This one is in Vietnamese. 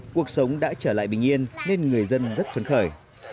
cuộc sống đã trở lại bình yên nên người dân rất phấn khởi